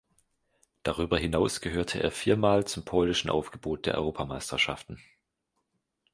Darüber hinaus gehörte er viermal zum polnischen Aufgebot bei Europameisterschaften.